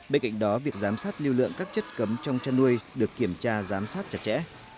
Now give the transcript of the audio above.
bên cạnh đó việc giám sát lưu lượng các chất cấm trong chăn nuôi được kiểm tra giám sát chặt chẽ